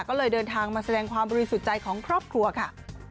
ก็เลยเดินทางมาแสดงความบริสุทธิ์ใจของครอบครัวค่ะ